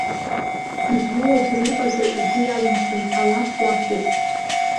Дызуоу аӡәыр уҟазар, угәы иалымсын, алаф-лафуп.